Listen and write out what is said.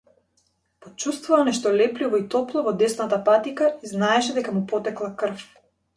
Почувствува нешто лепливо и топло во десната патика и знаеше дека му потекла крв.